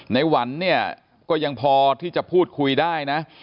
หวันเนี่ยก็ยังพอที่จะพูดคุยได้นะ